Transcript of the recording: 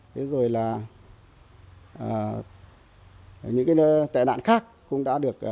thế rồi là những cái tệ nạn khác cũng đã được